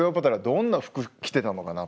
どんな服着てたのかなとか。